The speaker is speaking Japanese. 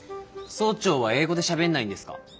総長は英語でしゃべんないんですか？